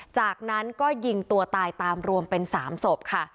จากนั้นก็ยิงตัวตายตามรวมเป็น๓ศพค่ะ